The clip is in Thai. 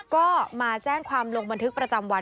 ก็มาแจ้งความลงบันทึกประจำวัน